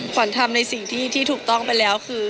ขวัญทำในสิ่งที่ถูกต้องไปแล้วคือ